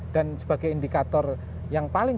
dan sebagai indikator yang paling